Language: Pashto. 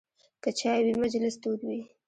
که چای وي، مجلس تود وي.